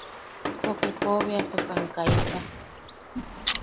Poke pobeatukan kaita.